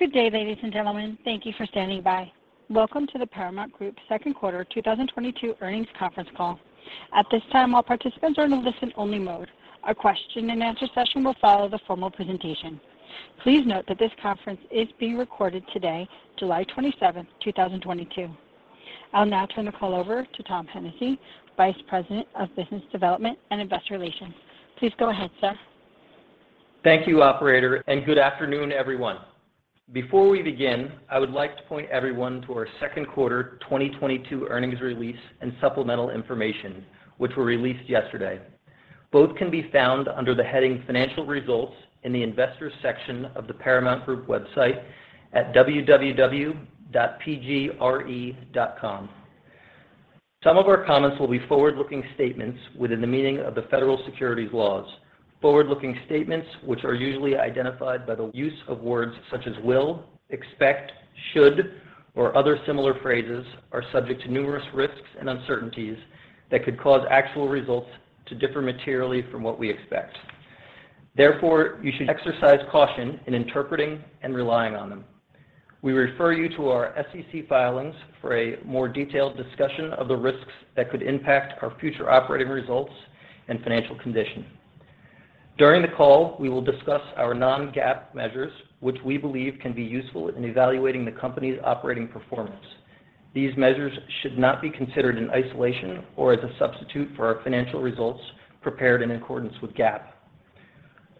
Good day, ladies and gentlemen. Thank you for standing by. Welcome to the Paramount Group second quarter 2022 earnings conference call. At this time, all participants are in a listen-only mode. A question and answer session will follow the formal presentation. Please note that this conference is being recorded today, July 27, 2022. I'll now turn the call over to Tom Hennessy, Vice President of Business Development and Investor Relations. Please go ahead, sir. Thank you, operator, and good afternoon, everyone. Before we begin, I would like to point everyone to our second quarter 2022 earnings release and supplemental information, which were released yesterday. Both can be found under the heading Financial Results in the Investors section of the Paramount Group website at www.pgre.com. Some of our comments will be forward-looking statements within the meaning of the federal securities laws. Forward-looking statements, which are usually identified by the use of words such as will, expect, should, or other similar phrases, are subject to numerous risks and uncertainties that could cause actual results to differ materially from what we expect. Therefore, you should exercise caution in interpreting and relying on them. We refer you to our SEC filings for a more detailed discussion of the risks that could impact our future operating results and financial condition. During the call, we will discuss our non-GAAP measures, which we believe can be useful in evaluating the company's operating performance. These measures should not be considered in isolation or as a substitute for our financial results prepared in accordance with GAAP.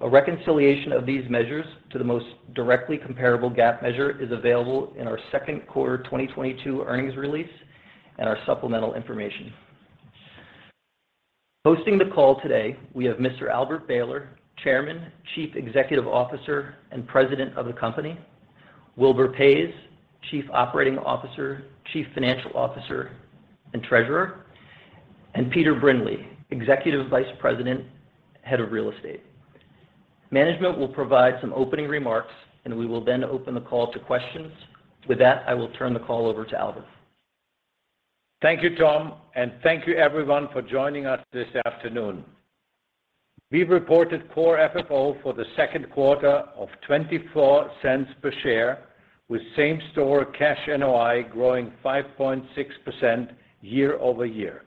A reconciliation of these measures to the most directly comparable GAAP measure is available in our second quarter 2022 earnings release and our supplemental information. Hosting the call today, we have Mr. Albert Behler, Chairman, Chief Executive Officer, and President of the company, Wilbur Paes, Chief Operating Officer, Chief Financial Officer, and Treasurer, and Peter Brindley, Executive Vice President, Head of Real Estate. Management will provide some opening remarks, and we will then open the call to questions. With that, I will turn the call over to Albert. Thank you, Tom, and thank you everyone for joining us this afternoon. We've reported core FFO for the second quarter of 2024 of $0.24 per share with same-store cash NOI growing 5.6% year-over-year.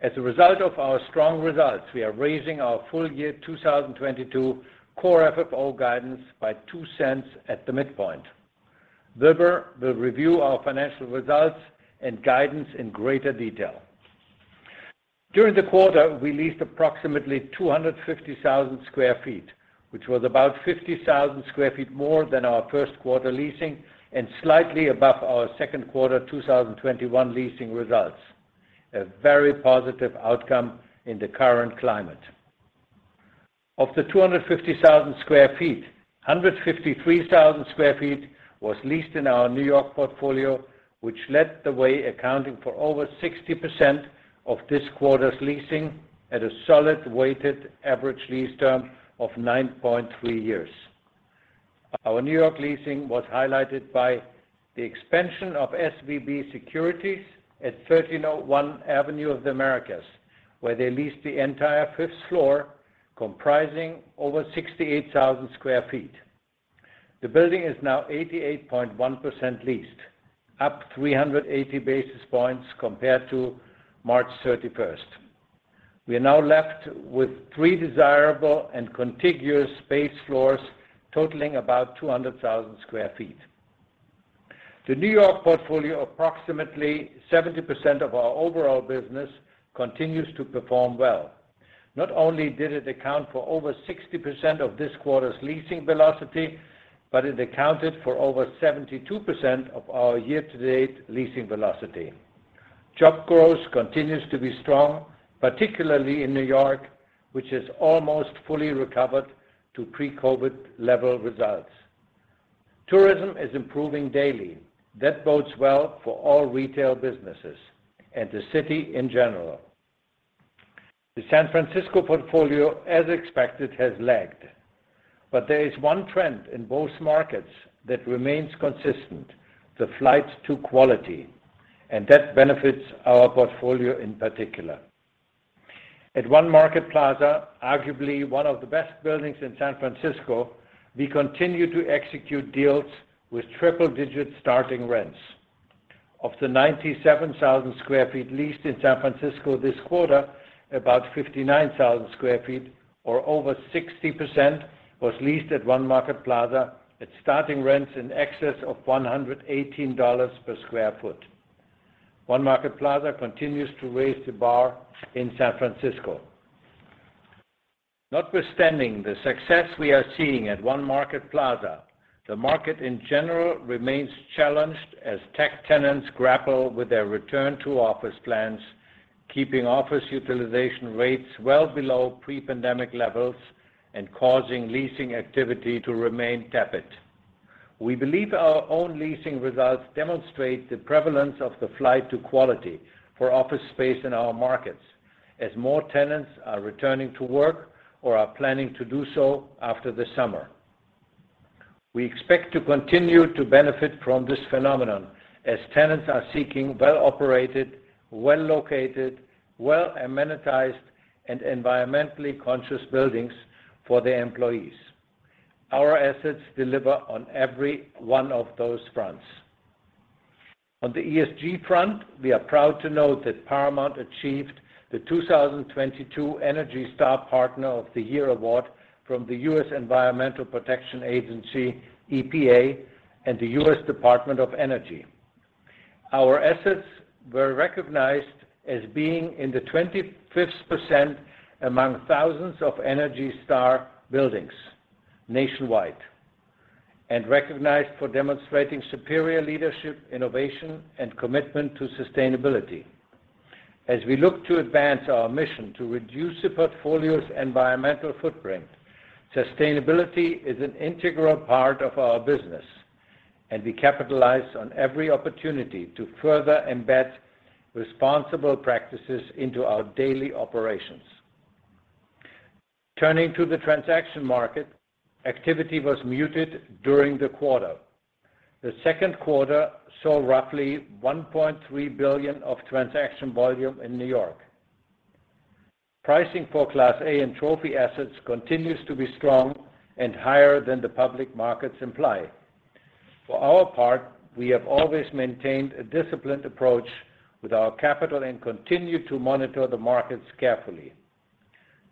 As a result of our strong results, we are raising our full year 2022 core FFO guidance by $0.02 at the midpoint. Wilbur will review our financial results and guidance in greater detail. During the quarter, we leased approximately 250,000 sq ft, which was about 50,000 sq ft more than our first quarter leasing and slightly above our second quarter 2021 leasing results. A very positive outcome in the current climate. Of the 250,000 sq ft, 153,000 sq ft was leased in our New York portfolio, which led the way, accounting for over 60% of this quarter's leasing at a solid weighted average lease term of 9.3 years. Our New York leasing was highlighted by the expansion of SVB Securities at 1301 Avenue of the Americas, where they leased the entire fifth floor comprising over 68,000 sq ft. The building is now 88.1% leased, up 380 basis points compared to March 31. We are now left with three desirable and contiguous space floors totaling about 200,000 sq ft. The New York portfolio, approximately 70% of our overall business, continues to perform well. Not only did it account for over 60% of this quarter's leasing velocity, but it accounted for over 72% of our year-to-date leasing velocity. Job growth continues to be strong, particularly in New York, which is almost fully recovered to pre-COVID level results. Tourism is improving daily. That bodes well for all retail businesses and the city in general. The San Francisco portfolio, as expected, has lagged, but there is one trend in both markets that remains consistent, the flight to quality, and that benefits our portfolio in particular. At One Market Plaza, arguably one of the best buildings in San Francisco, we continue to execute deals with triple-digit starting rents. Of the 97,000 sq ft leased in San Francisco this quarter, about 59,000 sq ft or over 60% was leased at One Market Plaza at starting rents in excess of $118 per sq ft. One Market Plaza continues to raise the bar in San Francisco. Notwithstanding the success we are seeing at One Market Plaza, the market in general remains challenged as tech tenants grapple with their return to office plans, keeping office utilization rates well below pre-pandemic levels and causing leasing activity to remain tepid. We believe our own leasing results demonstrate the prevalence of the flight to quality for office space in our markets as more tenants are returning to work or are planning to do so after the summer. We expect to continue to benefit from this phenomenon as tenants are seeking well-operated, well-located, well-amenitized and environmentally conscious buildings for their employees. Our assets deliver on every one of those fronts. On the ESG front, we are proud to note that Paramount achieved the 2022 ENERGY STAR Partner of the Year award from the U.S. Environmental Protection Agency, EPA, and the U.S. Department of Energy. Our assets were recognized as being in the 25th percentile among thousands of ENERGY STAR buildings nationwide, and recognized for demonstrating superior leadership, innovation, and commitment to sustainability. As we look to advance our mission to reduce the portfolio's environmental footprint, sustainability is an integral part of our business, and we capitalize on every opportunity to further embed responsible practices into our daily operations. Turning to the transaction market, activity was muted during the quarter. The second quarter saw roughly $1.3 billion of transaction volume in New York. Pricing for Class A and trophy assets continues to be strong and higher than the public markets imply. For our part, we have always maintained a disciplined approach with our capital and continue to monitor the markets carefully.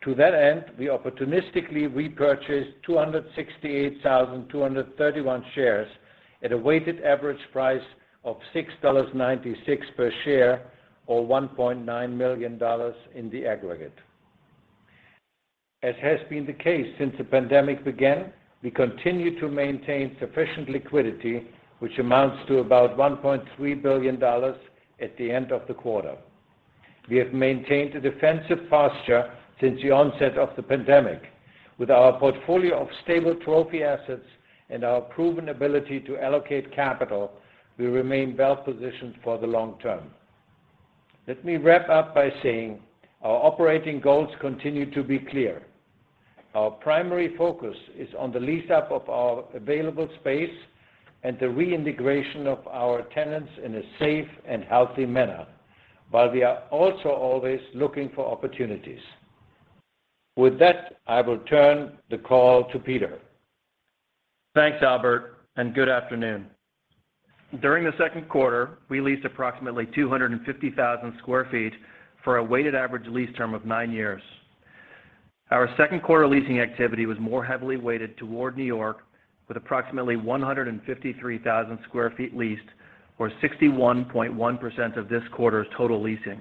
To that end, we opportunistically repurchased 268,231 shares at a weighted average price of $6.96 per share, or $1.9 million in the aggregate. As has been the case since the pandemic began, we continue to maintain sufficient liquidity, which amounts to about $1.3 billion at the end of the quarter. We have maintained a defensive posture since the onset of the pandemic. With our portfolio of stable trophy assets and our proven ability to allocate capital, we remain well positioned for the long term. Let me wrap up by saying our operating goals continue to be clear. Our primary focus is on the lease-up of our available space and the reintegration of our tenants in a safe and healthy manner, while we are also always looking for opportunities. With that, I will turn the call to Peter. Thanks Albert, and good afternoon. During the second quarter, we leased approximately 250,000 sq ft for a weighted average lease term of 9 years. Our second quarter leasing activity was more heavily weighted toward New York with approximately 153,000 sq ft leased, or 61.1% of this quarter's total leasing.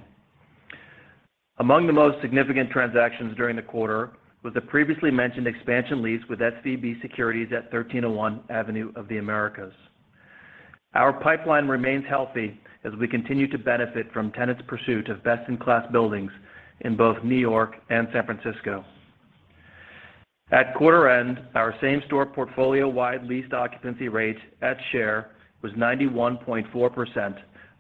Among the most significant transactions during the quarter was the previously mentioned expansion lease with SVB Securities at 1301 Avenue of the Americas. Our pipeline remains healthy as we continue to benefit from tenants' pursuit of best-in-class buildings in both New York and San Francisco. At quarter end, our same-store portfolio-wide leased occupancy rate at share was 91.4%,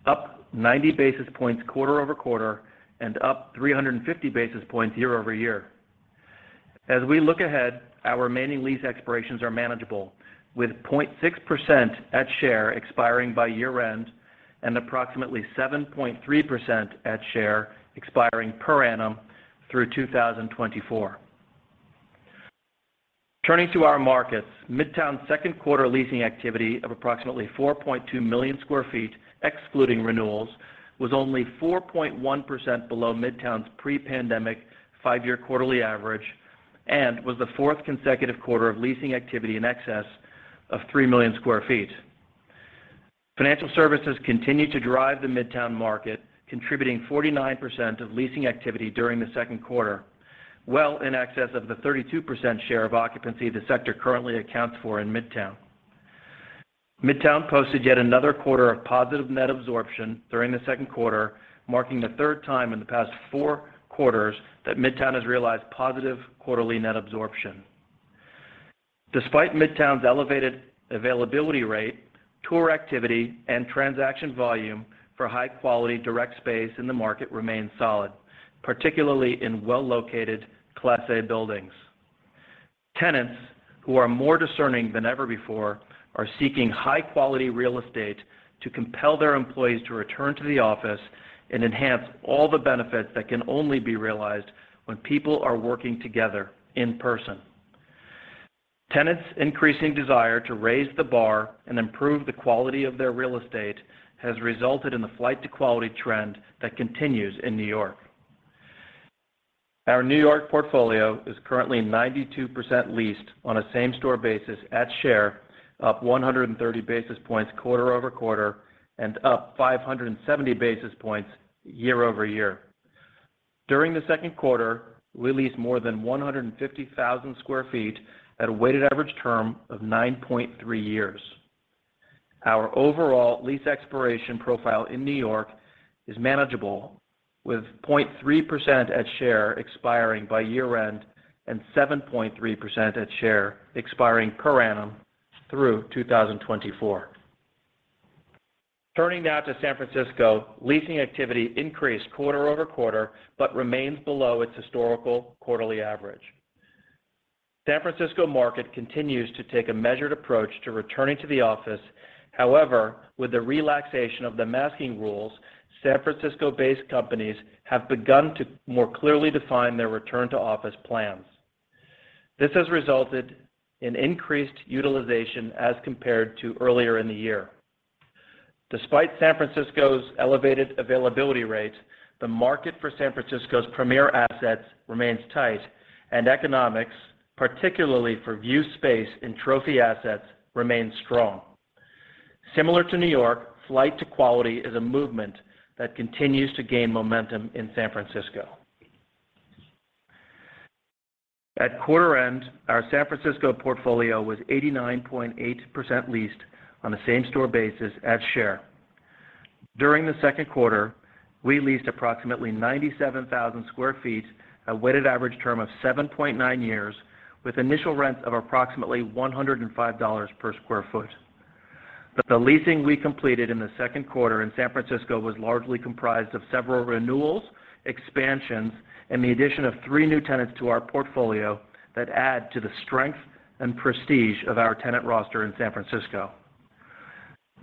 up 90 basis points quarter-over-quarter and up 350 basis points year-over-year. As we look ahead, our remaining lease expirations are manageable with 0.6% at share expiring by year-end and approximately 7.3% at share expiring per annum through 2024. Turning to our markets, Midtown's second quarter leasing activity of approximately 4.2 million sq ft excluding renewals was only 4.1% below Midtown's pre-pandemic five-year quarterly average and was the fourth consecutive quarter of leasing activity in excess of 3 million sq ft. Financial services continued to drive the Midtown market, contributing 49% of leasing activity during the second quarter, well in excess of the 32% share of occupancy the sector currently accounts for in Midtown. Midtown posted yet another quarter of positive net absorption during the second quarter, marking the third time in the past four quarters that Midtown has realized positive quarterly net absorption. Despite Midtown's elevated availability rate, tour activity and transaction volume for high quality direct space in the market remains solid, particularly in well located Class A buildings. Tenants who are more discerning than ever before are seeking high quality real estate to compel their employees to return to the office and enhance all the benefits that can only be realized when people are working together in person. Tenants' increasing desire to raise the bar and improve the quality of their real estate has resulted in the flight to quality trend that continues in New York. Our New York portfolio is currently 92% leased on a same-store basis at Share, up 130 basis points quarter-over-quarter and up 570 basis points year-over-year. During the second quarter, we leased more than 150,000 sq ft at a weighted average term of 9.3 years. Our overall lease expiration profile in New York is manageable with 0.3% at-share expiring by year-end and 7.3% at-share expiring per annum through 2024. Turning now to San Francisco, leasing activity increased quarter-over-quarter, but remains below its historical quarterly average. San Francisco market continues to take a measured approach to returning to the office. However, with the relaxation of the masking rules, San Francisco-based companies have begun to more clearly define their return to office plans. This has resulted in increased utilization as compared to earlier in the year. Despite San Francisco's elevated availability rate, the market for San Francisco's premier assets remains tight, and economics, particularly for view space and trophy assets, remain strong. Similar to New York, flight to quality is a movement that continues to gain momentum in San Francisco. At quarter end, our San Francisco portfolio was 89.8% leased on a same-store basis at share. During the second quarter, we leased approximately 97,000 sq ft at a weighted average term of 7.9 years, with initial rents of approximately $105 per sq ft. The leasing we completed in the second quarter in San Francisco was largely comprised of several renewals, expansions, and the addition of three new tenants to our portfolio that add to the strength and prestige of our tenant roster in San Francisco.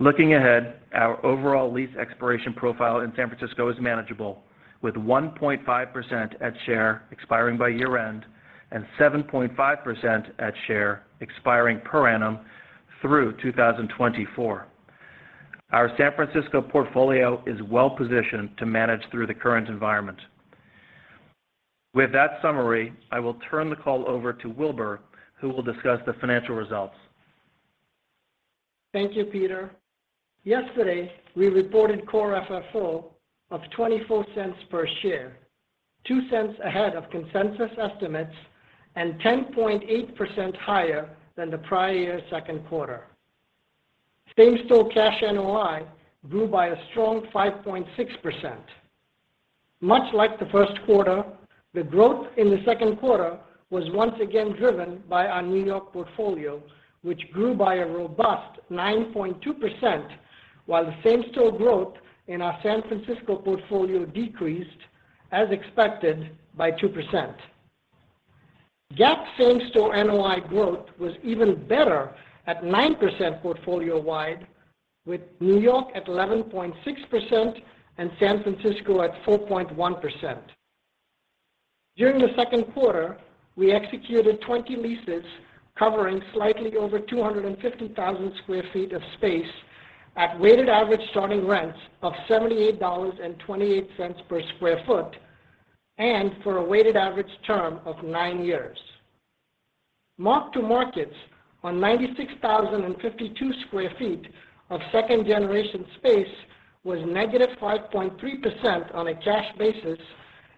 Looking ahead, our overall lease expiration profile in San Francisco is manageable, with 1.5% at-share expiring by year-end and 7.5% at-share expiring per annum through 2024. Our San Francisco portfolio is well positioned to manage through the current environment. With that summary, I will turn the call over to Wilbur, who will discuss the financial results. Thank you, Peter. Yesterday, we reported core FFO of $0.24 per share, $0.02 ahead of consensus estimates and 10.8% higher than the prior year second quarter. Same-store cash NOI grew by a strong 5.6%. Much like the first quarter, the growth in the second quarter was once again driven by our New York portfolio, which grew by a robust 9.2%, while the same-store growth in our San Francisco portfolio decreased, as expected, by 2%. GAAP same-store NOI growth was even better at 9% portfolio-wide, with New York at 11.6% and San Francisco at 4.1%. During the second quarter, we executed twenty leases covering slightly over 250,000 sq ft of space at weighted average starting rents of $78.28 per sq ft and for a weighted average term of 9 years. Mark-to-markets on 96,052 sq ft of second generation space was -5.3% on a cash basis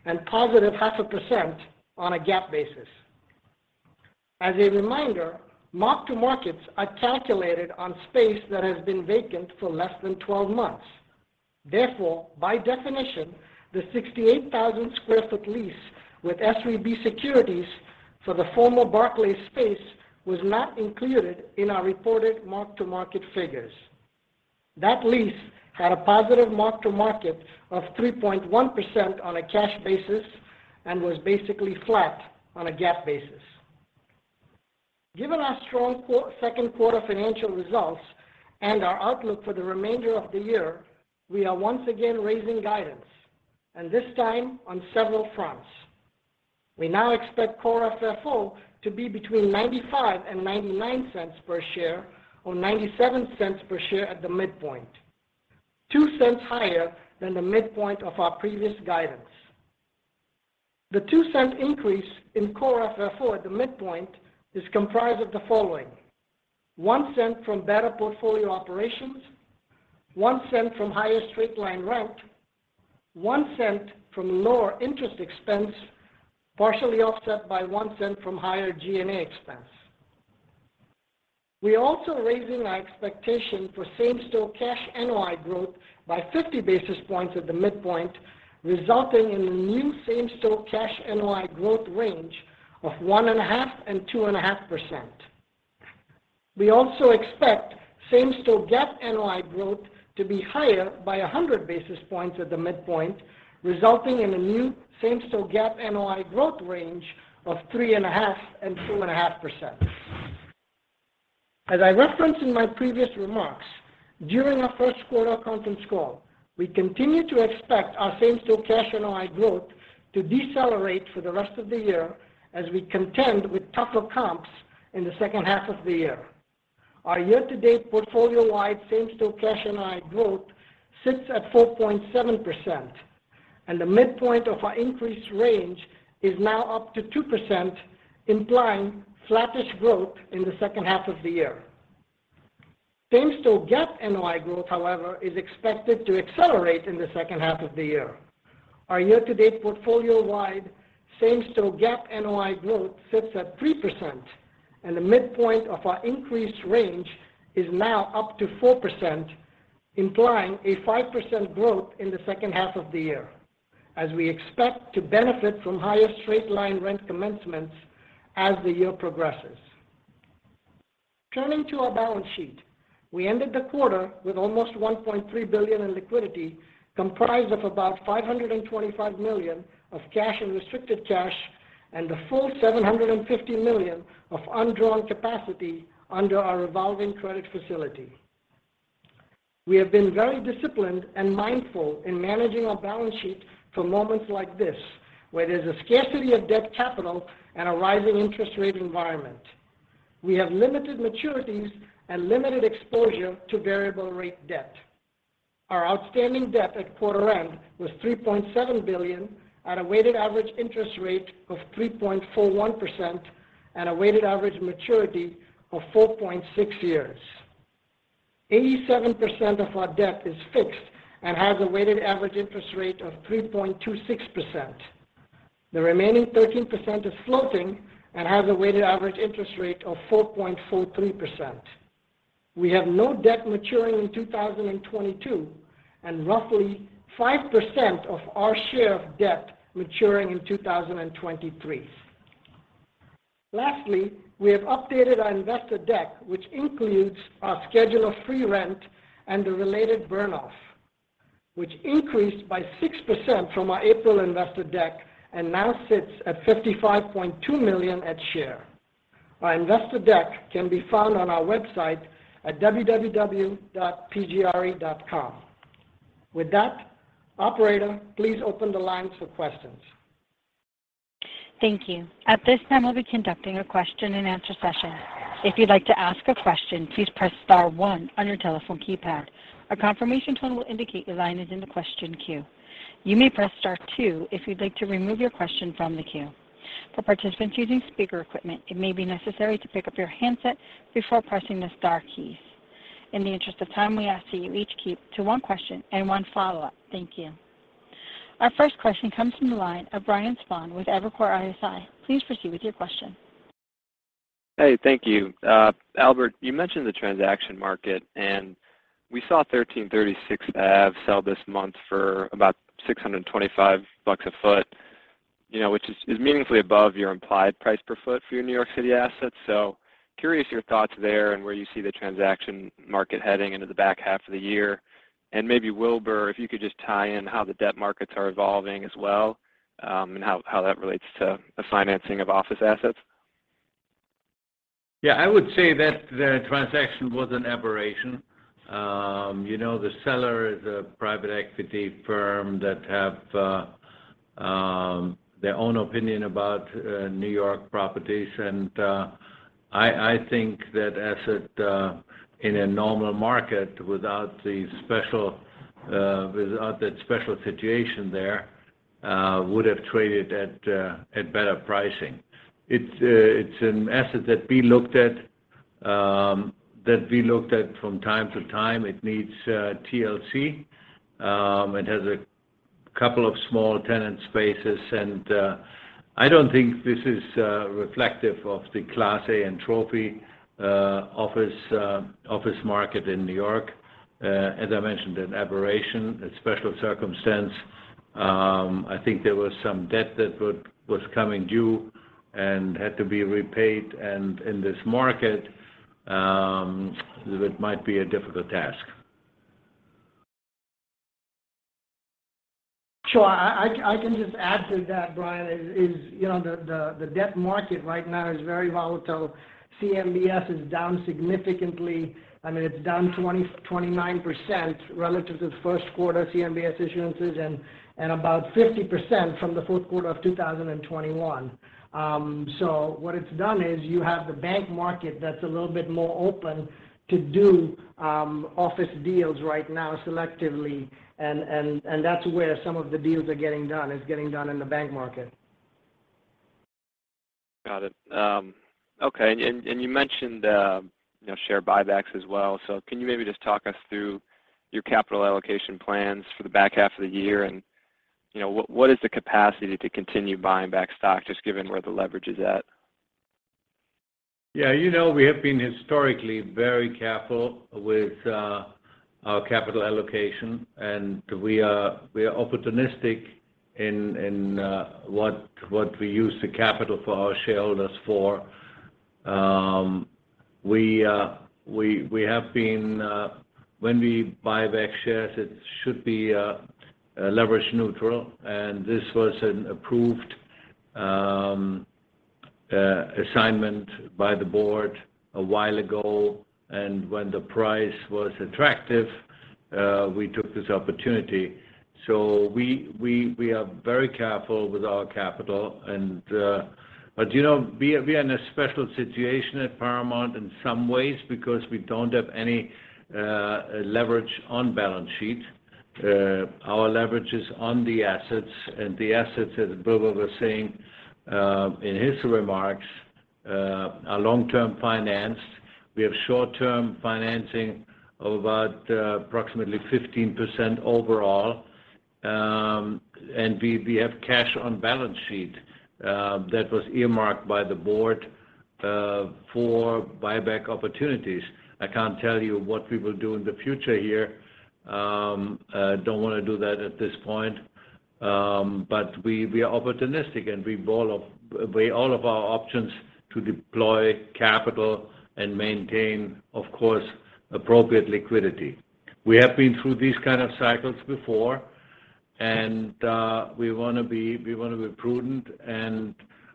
and +0.5% on a GAAP basis. As a reminder, mark-to-markets are calculated on space that has been vacant for less than 12 months. Therefore, by definition, the 68,000 sq ft lease with SVB Securities for the former Barclays space was not included in our reported mark-to-market figures. That lease had a positive mark-to-market of 3.1% on a cash basis and was basically flat on a GAAP basis. Given our strong second quarter financial results and our outlook for the remainder of the year, we are once again raising guidance, and this time on several fronts. We now expect core FFO to be between $0.95 and $0.99 per share or $0.97 per share at the midpoint, $0.02 higher than the midpoint of our previous guidance. The $0.02 increase in core FFO at the midpoint is comprised of the following. $0.01 from better portfolio operations, $0.01 from higher straight-line rent, $0.01 from lower interest expense, partially offset by $0.01 from higher G&A expense. We're also raising our expectation for same-store cash NOI growth by 50 basis points at the midpoint, resulting in a new same-store cash NOI growth range of 1.5%-2.5%. We also expect same-store GAAP NOI growth to be higher by 100 basis points at the midpoint, resulting in a new same-store GAAP NOI growth range of 2.5%-3.5%. As I referenced in my previous remarks during our first quarter conference call, we continue to expect our same-store cash NOI growth to decelerate for the rest of the year as we contend with tougher comps in the second half of the year. Our year-to-date portfolio-wide same-store cash NOI growth sits at 4.7%, and the midpoint of our increased range is now up to 2%, implying flattish growth in the second half of the year. Same-store GAAP NOI growth, however, is expected to accelerate in the second half of the year. Our year-to-date portfolio-wide same-store GAAP NOI growth sits at 3%, and the midpoint of our increased range is now up to 4%, implying a 5% growth in the second half of the year, as we expect to benefit from higher straight-line rent commencements as the year progresses. Turning to our balance sheet, we ended the quarter with almost $1.3 billion in liquidity, comprised of about $525 million of cash and restricted cash, and the full $750 million of undrawn capacity under our revolving credit facility. We have been very disciplined and mindful in managing our balance sheet for moments like this, where there's a scarcity of debt capital and a rising interest rate environment. We have limited maturities and limited exposure to variable rate debt. Our outstanding debt at quarter end was $3.7 billion on a weighted average interest rate of 3.41% and a weighted average maturity of 4.6 years. 87% of our debt is fixed and has a weighted average interest rate of 3.26%. The remaining 13% is floating and has a weighted average interest rate of 4.43%. We have no debt maturing in 2022, and roughly 5% of our share of debt maturing in 2023. Lastly, we have updated our investor deck, which includes our schedule of free rent and the related burn off, which increased by 6% from our April investor deck and now sits at $55.2 million at share. Our investor deck can be found on our website at www.pgre.com. With that, operator, please open the lines for questions. Thank you. At this time, we'll be conducting a question and answer session. If you'd like to ask a question, please press star one on your telephone keypad. A confirmation tone will indicate your line is in the question queue. You may press star two if you'd like to remove your question from the queue. For participants using speaker equipment, it may be necessary to pick up your handset before pressing the star keys. In the interest of time, we ask that you each keep to one question and one follow-up. Thank you. Our first question comes from the line of Steve Sakwa with Evercore ISI. Please proceed with your question. Hey, thank you. Albert, you mentioned the transaction market, and we saw 1336 Avenue of the Americas sell this month for about $625 a foot, you know, which is meaningfully above your implied price per foot for your New York City assets. Curious your thoughts there and where you see the transaction market heading into the back half of the year. Maybe Wilbur, if you could just tie in how the debt markets are evolving as well, and how that relates to the financing of office assets. Yeah, I would say that the transaction was an aberration. You know, the seller is a private equity firm that have their own opinion about New York properties. I think that asset in a normal market without that special situation there would have traded at better pricing. It's an asset that we looked at from time to time. It needs TLC. It has a couple of small tenant spaces, and I don't think this is reflective of the Class A and trophy office market in New York. As I mentioned, an aberration, a special circumstance. I think there was some debt that was coming due and had to be repaid. In this market, it might be a difficult task. Sure. I can just add to that, Steve. You know, the debt market right now is very volatile. CMBS is down significantly. I mean, it's down 29% relative to first quarter CMBS issuances and about 50% from the fourth quarter of 2021. What it's done is you have the bank market that's a little bit more open to do office deals right now selectively. That's where some of the deals are getting done in the bank market. Got it. Okay. You mentioned, you know, share buybacks as well. Can you maybe just talk us through your capital allocation plans for the back half of the year and, you know, what is the capacity to continue buying back stock just given where the leverage is at? Yeah. You know, we have been historically very careful with our capital allocation, and we are opportunistic in what we use the capital for our shareholders for. When we buy back shares, it should be leverage neutral. This was an approved assignment by the board a while ago. When the price was attractive, we took this opportunity. We are very careful with our capital. You know, we are in a special situation at Paramount in some ways because we don't have any leverage on balance sheet. Our leverage is on the assets, and the assets, as Wilbur was saying, in his remarks, are long-term financed. We have short-term financing of about approximately 15% overall. We have cash on balance sheet that was earmarked by the board for buyback opportunities. I can't tell you what we will do in the future here. I don't wanna do that at this point. We are opportunistic, and we will, of course, weigh all of our options to deploy capital and maintain, of course, appropriate liquidity. We have been through these kind of cycles before, and we want to be prudent.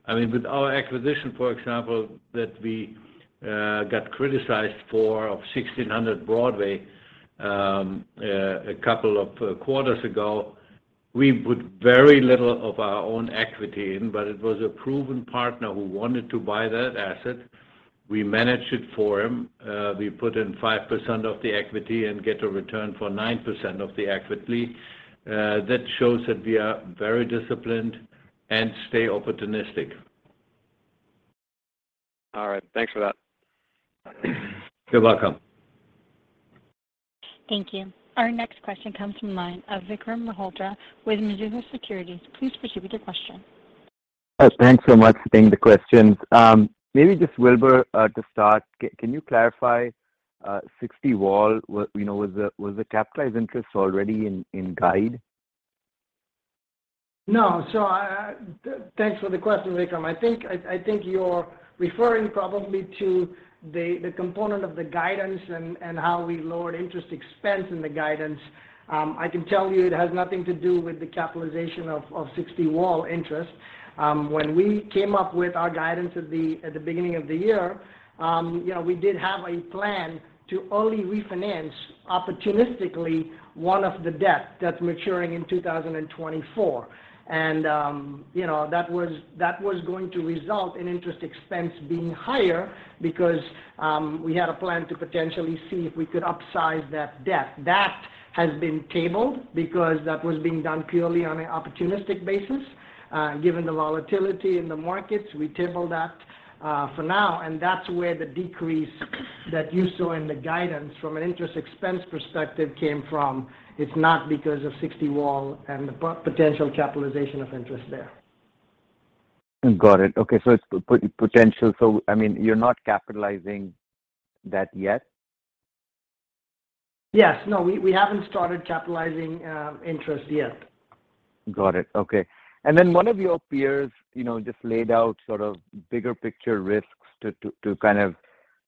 I mean, with our acquisition, for example, that we got criticized for of 1600 Broadway, a couple of quarters ago, we put very little of our own equity in, but it was a proven partner who wanted to buy that asset. We managed it for him. We put in 5% of the equity and get a return for 9% of the equity. That shows that we are very disciplined and stay opportunistic. All right. Thanks for that. You're welcome. Thank you. Our next question comes from the line of Vikram Malhotra with Mizuho Securities. Please proceed with your question. Thanks so much for taking the questions. Maybe just Wilbur to start. Can you clarify Sixty Wall? Was the capitalized interest already in guide? No. Thanks for the question, Vikram. I think you're referring probably to the component of the guidance and how we lowered interest expense in the guidance. I can tell you it has nothing to do with the capitalization of sixty Wall interest. When we came up with our guidance at the beginning of the year, you know, we did have a plan to only refinance opportunistically one of the debt that's maturing in 2024. You know, that was going to result in interest expense being higher because we had a plan to potentially see if we could upsize that debt. That has been tabled because that was being done purely on an opportunistic basis. Given the volatility in the markets, we tabled that for now, and that's where the decrease that you saw in the guidance from an interest expense perspective came from. It's not because of Sixty Wall and the potential capitalization of interest there. Got it. Okay. It's potential. I mean, you're not capitalizing that yet? Yes. No, we haven't started capitalizing interest yet. Got it. Okay. One of your peers, you know, just laid out sort of bigger picture risks to kind of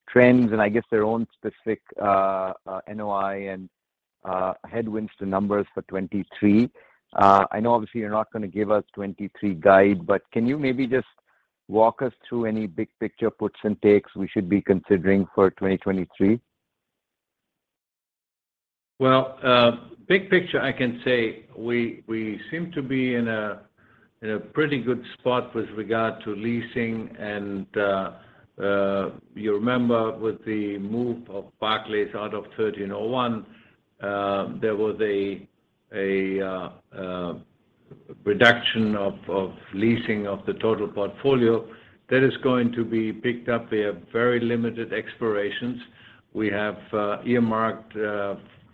trends and I guess their own specific NOI and headwinds to numbers for 2023. I know obviously you're not going to give us 2023 guide, but can you maybe just walk us through any big picture puts and takes we should be considering for 2023? Well, big picture I can say we seem to be in a pretty good spot with regard to leasing and, you remember with the move of Barclays out of 1301, there was a reduction of leasing of the total portfolio. That is going to be picked up via very limited expirations. We have earmarked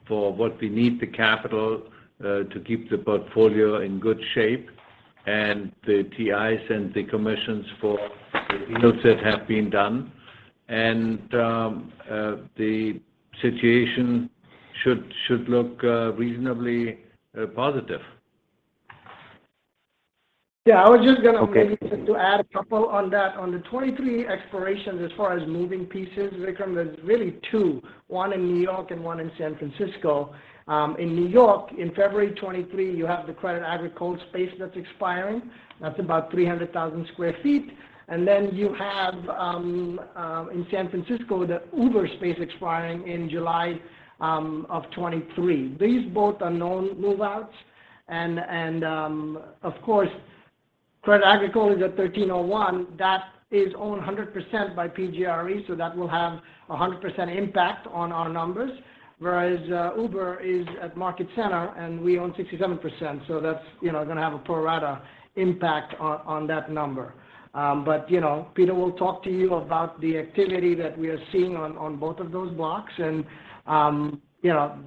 for what we need the capital to keep the portfolio in good shape, and the TIs and the commissions for the deals that have been done. The situation should look reasonably positive. Yeah, I was just gonna maybe. Okay. Just to add a couple on that. On the 2023 expirations, as far as moving pieces, Vikram, there's really two. One in New York and one in San Francisco. In New York, in February 2023, you have the Crédit Agricole space that's expiring. That's about 300,000 sq ft. And then you have in San Francisco, the Uber space expiring in July 2023. These both are known move-outs. Of course, Crédit Agricole is at 1301. That is owned 100% by PGRE, so that will have a 100% impact on our numbers. Whereas, Uber is at Market Center, and we own 67%, so that's, you know, gonna have a pro rata impact on that number. You know, Peter will talk to you about the activity that we are seeing on both of those blocks. You know,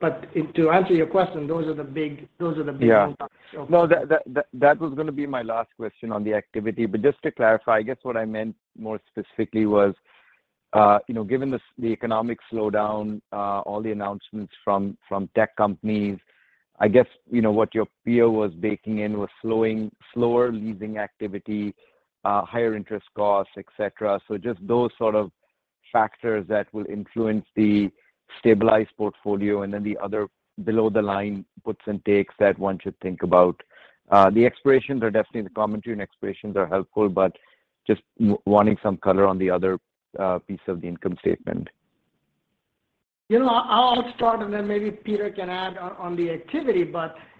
but to answer your question, those are the big ones. Yeah. No, that was gonna be my last question on the activity. But just to clarify, I guess what I meant more specifically was, you know, given the economic slowdown, all the announcements from tech companies, I guess, you know, what your peer was baking in was slower leasing activity, higher interest costs, et cetera. Just those sort of factors that will influence the stabilized portfolio and then the other below the line puts and takes that one should think about. The expirations are definitely in the commentary, and expirations are helpful, but just wanting some color on the other piece of the income statement. You know, I'll start and then maybe Peter can add on to the activity.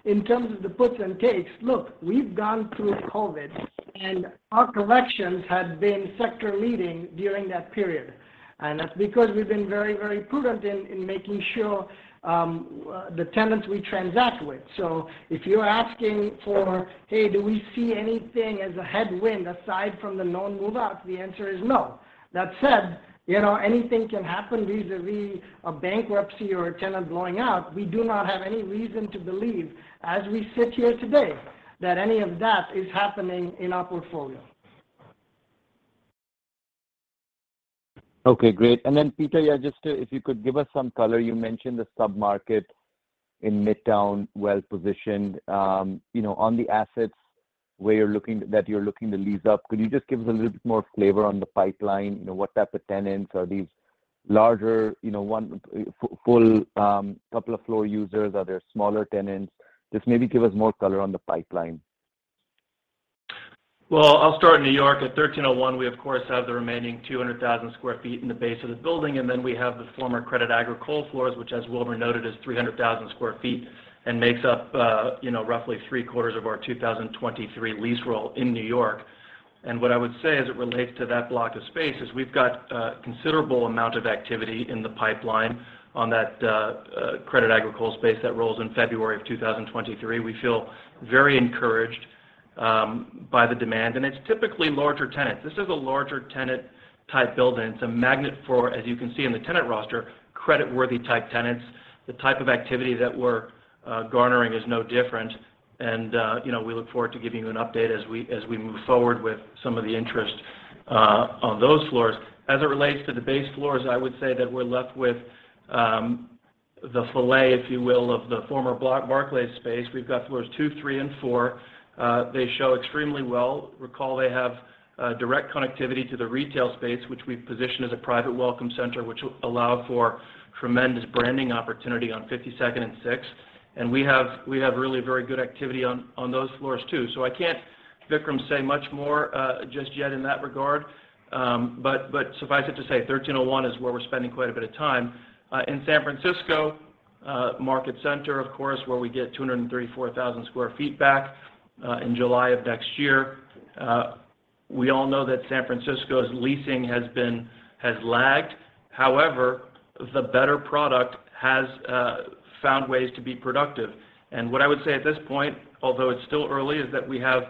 In terms of the puts and takes, look, we've gone through COVID, and our collections have been sector-leading during that period. That's because we've been very, very prudent in making sure the tenants we transact with. If you're asking for, hey, do we see anything as a headwind aside from the known move-outs? The answer is no. That said, you know, anything can happen vis-à-vis a bankruptcy or a tenant going out. We do not have any reason to believe, as we sit here today, that any of that is happening in our portfolio. Okay, great. Then Peter, yeah, just if you could give us some color, you mentioned the sub-market in Midtown, well-positioned, you know, on the assets where that you're looking to lease up. Could you just give us a little bit more flavor on the pipeline? You know, what type of tenants? Are these larger, you know, full couple of floor users? Are there smaller tenants? Just maybe give us more color on the pipeline. I'll start in New York. At 1301, we of course have the remaining 200,000 sq ft in the base of the building, and then we have the former Crédit Agricole floors, which as Wilbur noted is 300,000 sq ft and makes up, you know, roughly three-quarters of our 2023 lease roll in New York. What I would say as it relates to that block of space is we've got a considerable amount of activity in the pipeline on that Crédit Agricole space that rolls in February 2023. We feel very encouraged by the demand. It's typically larger tenants. This is a larger tenant type building. It's a magnet for, as you can see in the tenant roster, creditworthy type tenants. The type of activity that we're garnering is no different. You know, we look forward to giving you an update as we move forward with some of the interest on those floors. As it relates to the base floors, I would say that we're left with the filet, if you will, of the former block Barclays space. We've got floors 2, 3 and 4. They show extremely well. Recall they have direct connectivity to the retail space, which we've positioned as a private welcome center, which will allow for tremendous branding opportunity on Fifty-second and Sixth. We have really very good activity on those floors too. I can't, Vikram, say much more just yet in that regard. But suffice it to say, 1301 is where we're spending quite a bit of time. In San Francisco, Market Center, of course, where we get 234,000 sq ft back in July of next year. We all know that San Francisco's leasing has lagged. However, the better product has found ways to be productive. What I would say at this point, although it's still early, is that we have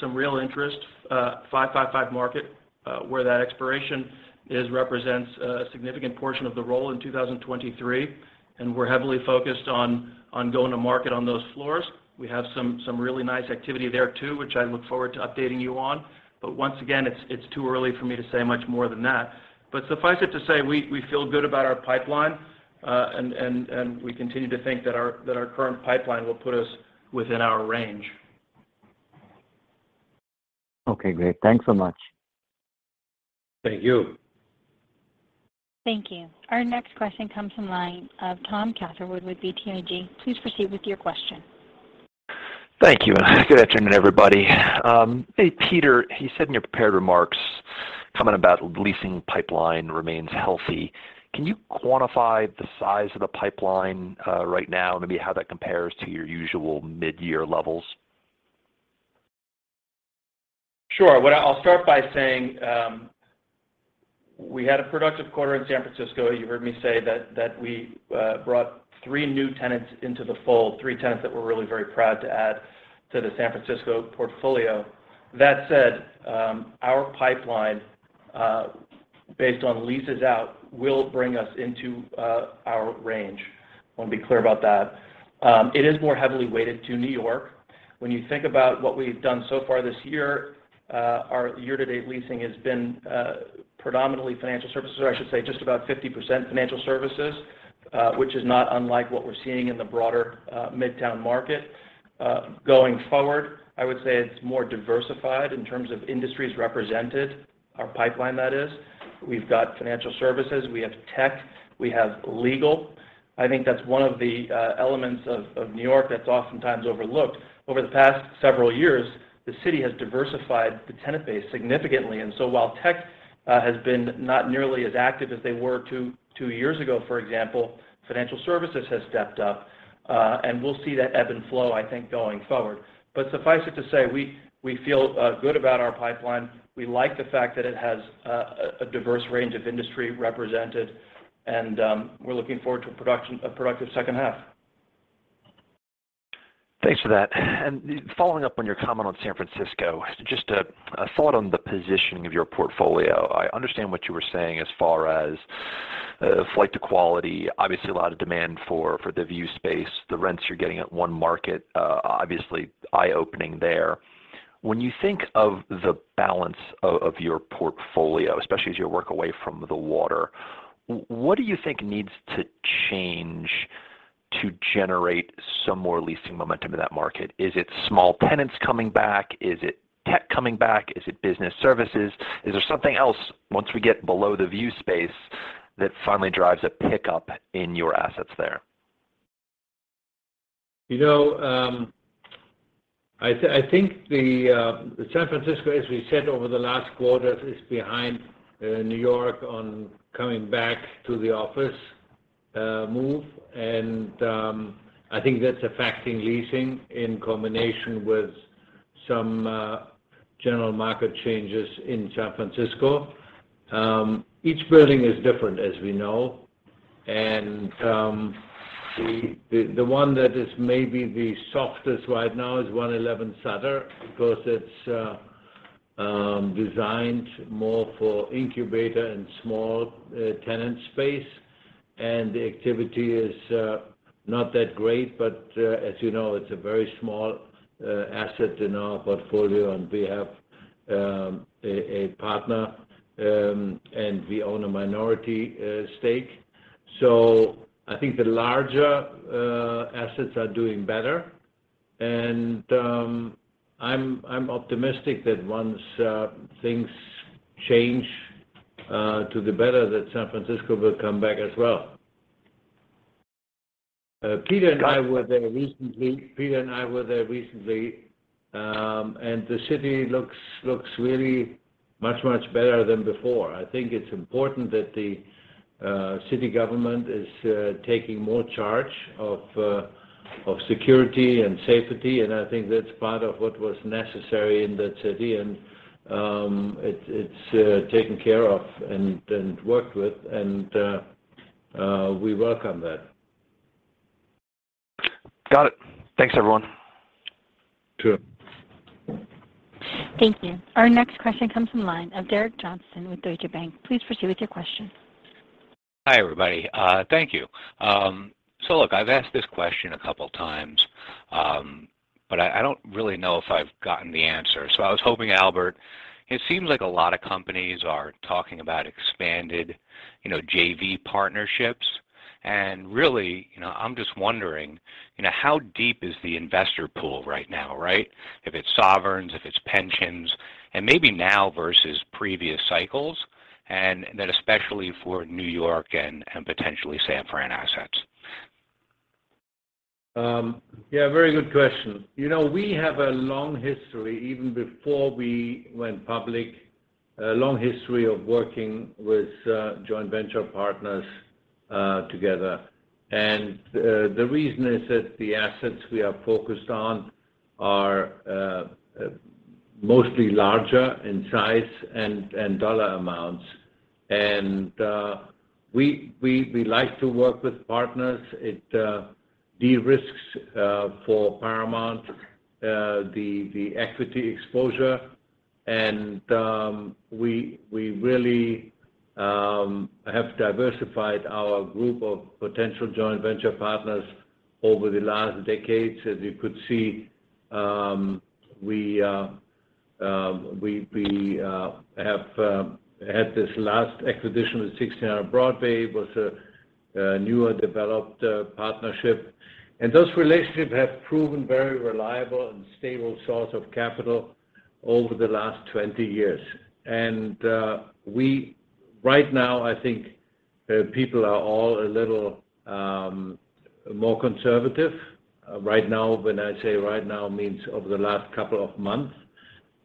some real interest, 555 Market, where that expiration represents a significant portion of the roll in 2023, and we're heavily focused on going to market on those floors. We have some really nice activity there too, which I look forward to updating you on. Once again, it's too early for me to say much more than that. Suffice it to say, we feel good about our pipeline, and we continue to think that our current pipeline will put us within our range. Okay, great. Thanks so much. Thank you. Thank you. Our next question comes from the line of Tom Catherwood with BTIG. Please proceed with your question. Thank you, and good afternoon, everybody. Hey, Peter, you said in your prepared remarks, comment about leasing pipeline remains healthy. Can you quantify the size of the pipeline, right now and maybe how that compares to your usual mid-year levels? Sure. I'll start by saying, we had a productive quarter in San Francisco. You heard me say that we brought three new tenants into the fold, three tenants that we're really very proud to add to the San Francisco portfolio. That said, our pipeline, based on leases out, will bring us into our range. I wanna be clear about that. It is more heavily weighted to New York. When you think about what we've done so far this year, our year-to-date leasing has been predominantly financial services, or I should say just about 50% financial services, which is not unlike what we're seeing in the broader Midtown market. Going forward, I would say it's more diversified in terms of industries represented, our pipeline that is. We've got financial services, we have tech, we have legal. I think that's one of the elements of New York that's oftentimes overlooked. Over the past several years, the city has diversified the tenant base significantly. While tech has been not nearly as active as they were two years ago, for example, financial services has stepped up, and we'll see that ebb and flow, I think, going forward. Suffice it to say, we feel good about our pipeline. We like the fact that it has a diverse range of industry represented, and we're looking forward to a productive second half. Thanks for that. Following up on your comment on San Francisco, just a thought on the positioning of your portfolio. I understand what you were saying as far as flight to quality. Obviously, a lot of demand for the view space, the rents you're getting at One Market, obviously eye-opening there. When you think of the balance of your portfolio, especially as you work away from the water, what do you think needs to change to generate some more leasing momentum in that market? Is it small tenants coming back? Is it tech coming back? Is it business services? Is there something else once we get below the view space that finally drives a pickup in your assets there? You know, I think San Francisco, as we said over the last quarter, is behind New York on coming back to the office move. I think that's affecting leasing in combination with some general market changes in San Francisco. Each building is different, as we know. The one that is maybe the softest right now is One Eleven Sutter because it's designed more for incubator and small tenant space. The activity is not that great, but as you know, it's a very small asset in our portfolio, and we have a partner, and we own a minority stake. I think the larger assets are doing better. I'm optimistic that once things change to the better, that San Francisco will come back as well. Peter and I were there recently, and the city looks really much better than before. I think it's important that the city government is taking more charge of security and safety, and I think that's part of what was necessary in that city. It's taken care of and worked with, and we welcome that. Got it. Thanks, everyone. Sure. Thank you. Our next question comes from line of Derek Johnston with Deutsche Bank. Please proceed with your question. Hi, everybody. Thank you. Look, I've asked this question a couple times, but I don't really know if I've gotten the answer. I was hoping, Albert, it seems like a lot of companies are talking about expanded, you know, JV partnerships. Really, you know, I'm just wondering, you know, how deep is the investor pool right now, right? If it's sovereigns, if it's pensions, and maybe now versus previous cycles, and then especially for New York and potentially San Fran assets. Yeah, very good question. You know, we have a long history, even before we went public, a long history of working with joint venture partners together. The reason is that the assets we are focused on are mostly larger in size and dollar amounts. We like to work with partners. It de-risks for Paramount the equity exposure. We really have diversified our group of potential joint venture partners over the last decades. As you could see, we have had this last acquisition with 1600 Broadway. It was a newer developed partnership. Those relationships have proven very reliable and stable source of capital over the last 20 years. Right now, I think people are all a little more conservative. Right now, when I say right now means over the last couple of months.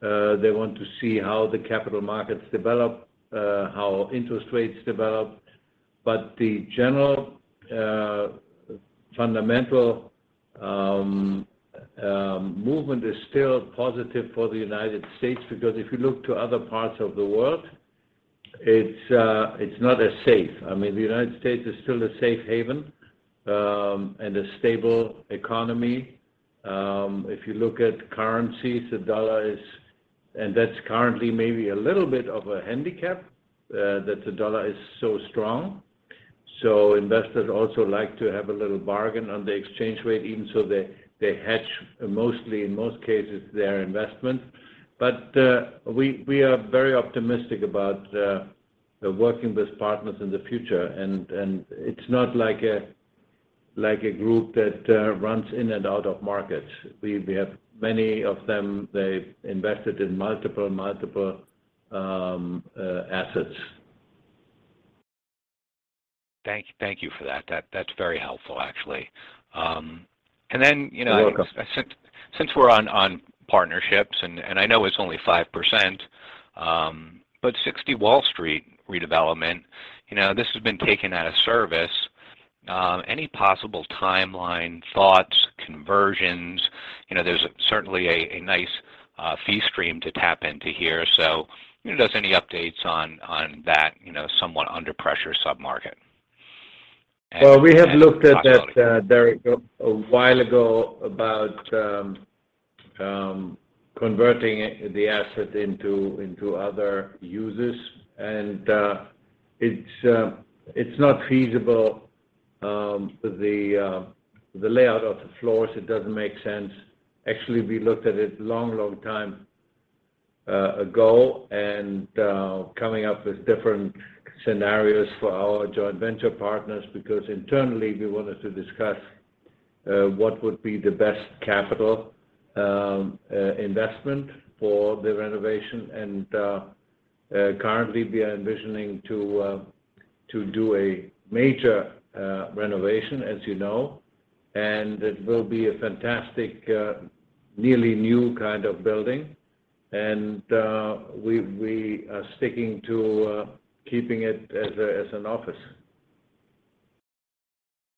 They want to see how the capital markets develop, how interest rates develop. The general, fundamental movement is still positive for the United States, because if you look to other parts of the world, it's not as safe. I mean, the United States is still a safe haven, and a stable economy. If you look at currencies, the US dollar is. That's currently maybe a little bit of a handicap, that the US dollar is so strong. Investors also like to have a little bargain on the exchange rate, even so they hedge mostly, in most cases, their investment. We are very optimistic about working with partners in the future. It's not like a group that runs in and out of markets. We have many of them. They've invested in multiple assets. Thank you for that. That's very helpful, actually. You know- You're welcome. Since we're on partnerships, and I know it's only 5%, but 60 Wall Street redevelopment, you know, this has been taken out of service. Any possible timeline, thoughts, conversions? You know, there's certainly a nice fee stream to tap into here. You know, just any updates on that, you know, somewhat under pressure submarket? Well, we have looked at that, Derek, a while ago about converting the asset into other uses. It's not feasible. The layout of the floors, it doesn't make sense. Actually, we looked at it long time ago and coming up with different scenarios for our joint venture partners, because internally we wanted to discuss what would be the best capital investment for the renovation. Currently we are envisioning to do a major renovation, as you know, and it will be a fantastic nearly new kind of building. We are sticking to keeping it as an office.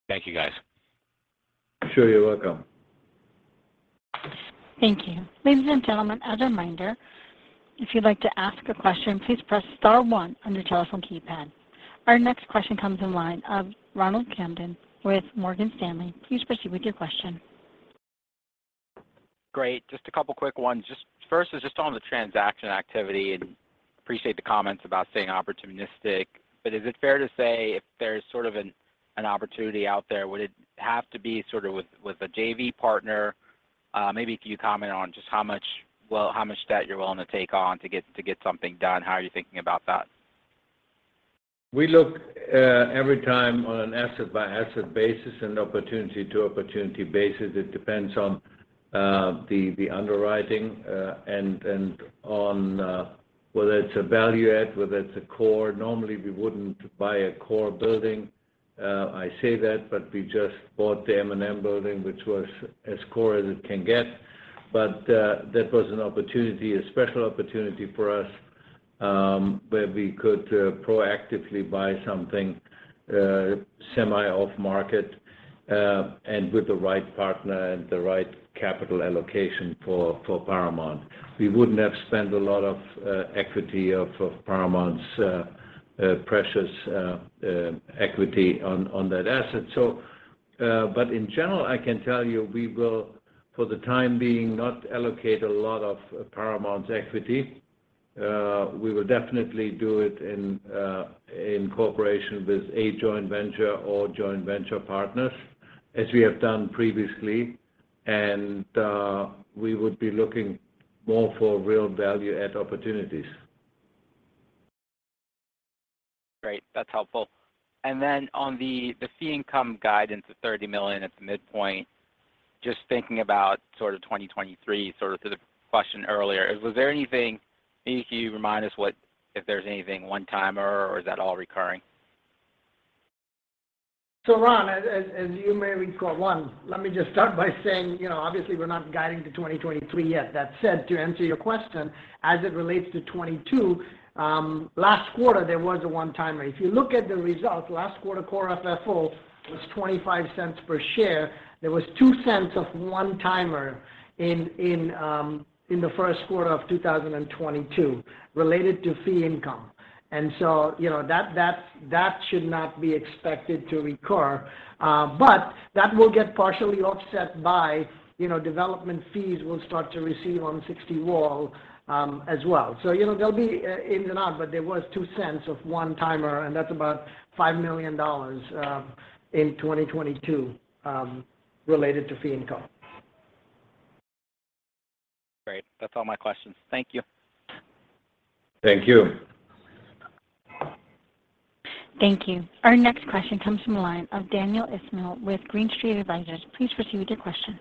Thank you, guys. Sure. You're welcome. Thank you. Ladies and gentlemen, as a reminder, if you'd like to ask a question, please press star one on your telephone keypad. Our next question comes in line of Ronald Kamdem with Morgan Stanley. Please proceed with your question. Great. Just a couple quick ones. Just first is just on the transaction activity, and appreciate the comments about staying opportunistic. Is it fair to say if there's sort of an opportunity out there, would it have to be sort of with a JV partner? Maybe can you comment on just how much, well, how much debt you're willing to take on to get something done? How are you thinking about that? We look every time on an asset by asset basis and opportunity to opportunity basis. It depends on the underwriting and on whether it's a value add, whether it's a core. Normally, we wouldn't buy a core building. I say that, but we just bought the 1600 Broadway, which was as core as it can get. That was an opportunity, a special opportunity for us, where we could proactively buy something semi-off market and with the right partner and the right capital allocation for Paramount. We wouldn't have spent a lot of equity of Paramount's precious equity on that asset. In general, I can tell you we will for the time being not allocate a lot of Paramount's equity. We will definitely do it in cooperation with a joint venture or joint venture partners as we have done previously. We would be looking more for real value add opportunities. Great. That's helpful. On the fee income guidance of $30 million at the midpoint, just thinking about sort of 2023, sort of to the question earlier, was there anything. Maybe can you remind us what, if there's anything one-time or is that all recurring? Ron, as you may recall, let me just start by saying, you know, obviously we're not guiding to 2023 yet. That said, to answer your question, as it relates to 2022, last quarter there was a one-timer. If you look at the results, last quarter core FFO was $0.25 per share. There was $0.02 of one-timer in the first quarter of 2022 related to fee income. You know, that should not be expected to recur. But that will get partially offset by, you know, development fees we'll start to receive on 60 Wall, as well. You know, there'll be in and out, but there was $0.02 of one-timer, and that's about $5 million in 2022 related to fee income. Great. That's all my questions. Thank you. Thank you. Thank you. Our next question comes from the line of Daniel Ismail with Green Street Advisors. Please proceed with your question.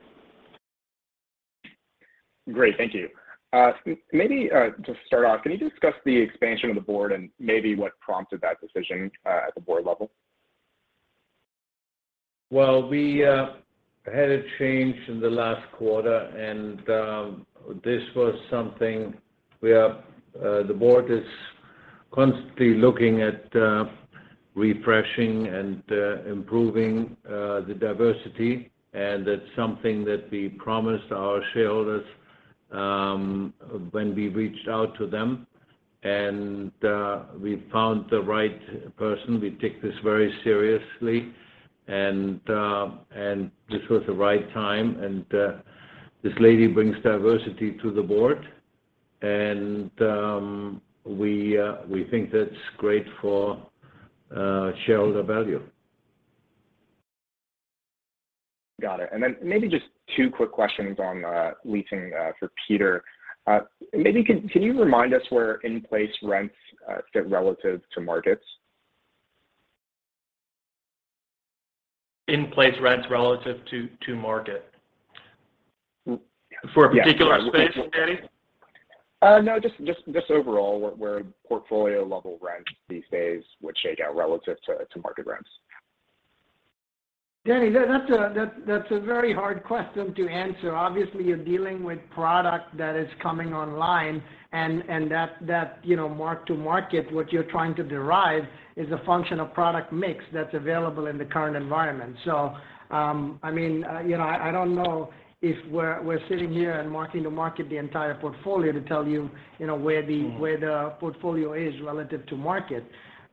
Great. Thank you. Maybe to start off, can you discuss the expansion of the board and maybe what prompted that decision at the board level? Well, we had a change in the last quarter and this was something the board is constantly looking at, refreshing and improving, the diversity. That's something that we promised our shareholders when we reached out to them. We found the right person. We take this very seriously and this was the right time. This lady brings diversity to the board and we think that's great for shareholder value. Got it. Then maybe just two quick questions on leasing for Peter. Maybe can you remind us where in-place rents fit relative to markets? In-place rents relative to market. W- For a particular space, Daniel? No, just overall, where portfolio level rents these days would shake out relative to market rents? Daniel, that's a very hard question to answer. Obviously, you're dealing with product that is coming online and that you know, mark-to-market, what you're trying to derive is a function of product mix that's available in the current environment. I mean, you know, I don't know if we're sitting here and marking-to-market the entire portfolio to tell you know, where the portfolio is relative to market.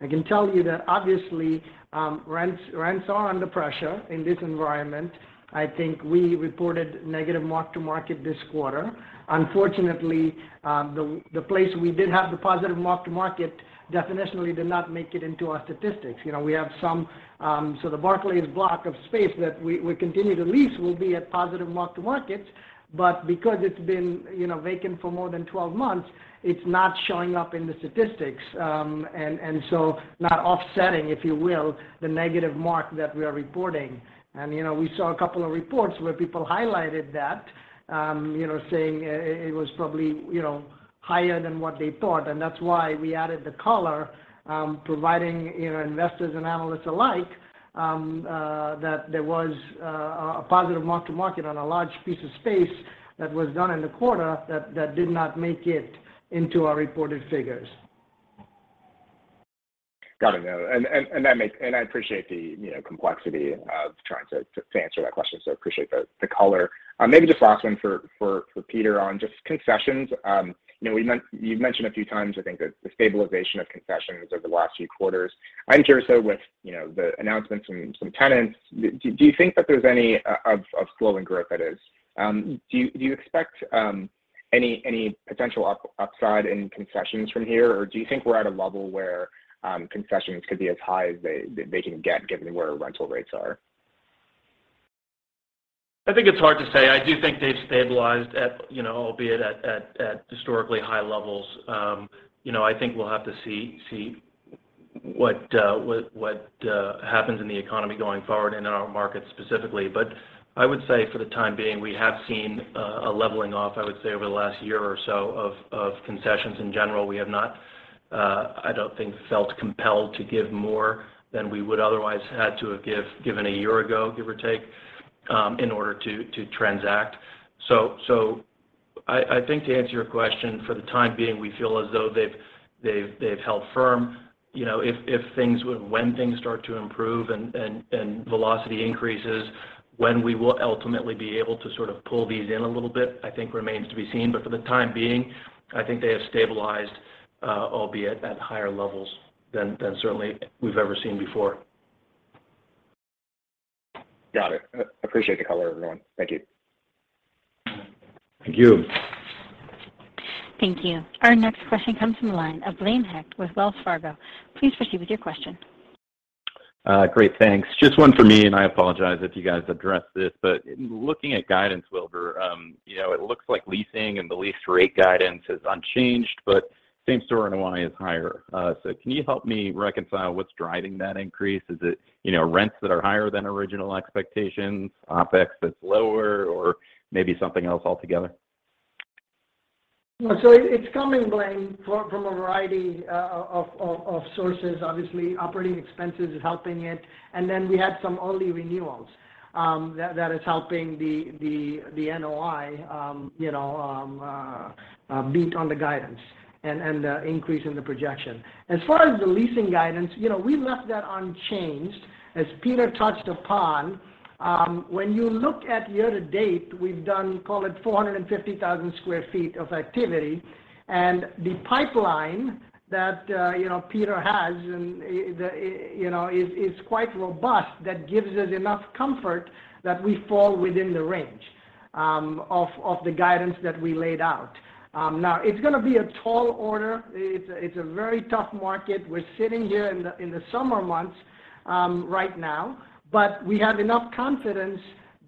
I can tell you that obviously, rents are under pressure in this environment. I think we reported negative mark-to-market this quarter. Unfortunately, the place we did have the positive mark-to-market definitionally did not make it into our statistics. You know, we have some. The Barclays block of space that we continue to lease will be at positive mark-to-market, but because it's been, you know, vacant for more than 12 months, it's not showing up in the statistics. Not offsetting, if you will, the negative mark that we are reporting. We saw a couple of reports where people highlighted that, you know, saying it was probably, you know, higher than what they thought. That's why we added the color, providing, you know, investors and analysts alike, that there was a positive mark-to-market on a large piece of space that was done in the quarter that did not make it into our reported figures. Got it. No. I appreciate the complexity of trying to answer that question. Appreciate the color. Maybe just last one for Peter on just concessions. You know, you've mentioned a few times, I think the stabilization of concessions over the last few quarters. I'm curious though, with, you know, the announcements from some tenants, do you think that there's any of slowing growth, that is? Do you expect any potential upside in concessions from here, or do you think we're at a level where concessions could be as high as they can get given where rental rates are? I think it's hard to say. I do think they've stabilized at, you know, albeit at historically high levels. You know, I think we'll have to see what happens in the economy going forward and in our market specifically. I would say for the time being, we have seen a leveling off, I would say over the last year or so of concessions in general. We have not, I don't think, felt compelled to give more than we would otherwise had to have given a year ago, give or take, in order to transact. I think to answer your question, for the time being, we feel as though they've held firm. You know, when things start to improve and velocity increases, when we will ultimately be able to sort of pull these in a little bit, I think remains to be seen. For the time being, I think they have stabilized, albeit at higher levels than certainly we've ever seen before. Got it. Appreciate the color, everyone. Thank you. Thank you. Thank you. Our next question comes from the line of Blaine Heck with Wells Fargo. Please proceed with your question. Great. Thanks. Just one for me, and I apologize if you guys addressed this. Looking at guidance, Wilbur, you know, it looks like leasing and the lease rate guidance is unchanged, but same store NOI is higher. So can you help me reconcile what's driving that increase? Is it, you know, rents that are higher than original expectations, OpEx that's lower, or maybe something else altogether? It's coming, Blaine, from a variety of sources. Obviously, operating expenses is helping it. Then we had some early renewals that is helping the NOI, you know, beat on the guidance and increase in the projection. As far as the leasing guidance, you know, we left that unchanged. As Peter touched upon, when you look at year to date, we've done, call it 450,000 sq ft of activity. The pipeline that Peter has and is quite robust that gives us enough comfort that we fall within the range of the guidance that we laid out. Now it's gonna be a tall order. It's a very tough market. We're sitting here in the summer months right now, but we have enough confidence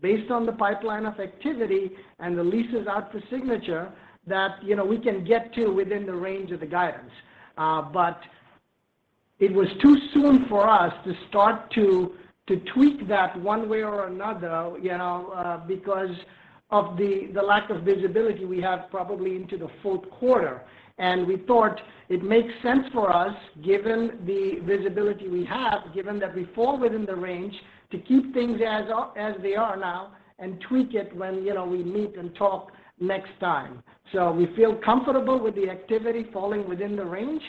based on the pipeline of activity and the leases out for signature that, you know, we can get to within the range of the guidance. It was too soon for us to start to tweak that one way or another, you know, because of the lack of visibility we have probably into the fourth quarter. We thought it makes sense for us, given the visibility we have, given that we fall within the range, to keep things as they are now and tweak it when, you know, we meet and talk next time. We feel comfortable with the activity falling within the range.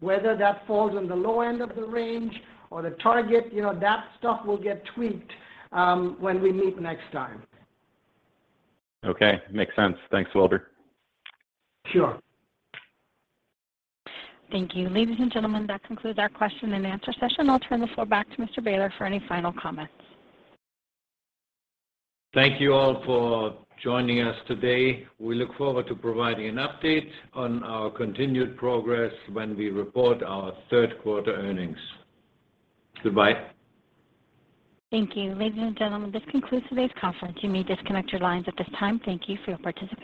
Whether that falls on the low end of the range or the target, you know, that stuff will get tweaked when we meet next time. Okay. Makes sense. Thanks, Wilbur. Sure. Thank you. Ladies and gentlemen, that concludes our question and answer session. I'll turn the floor back to Mr. Behler for any final comments. Thank you all for joining us today. We look forward to providing an update on our continued progress when we report our third quarter earnings. Goodbye. Thank you. Ladies and gentlemen, this concludes today's conference. You may disconnect your lines at this time. Thank you for your participation.